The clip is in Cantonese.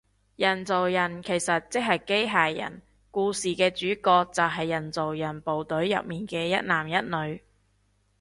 人造人其實即係機械人，故事嘅主角就係人造人部隊入面嘅一男一女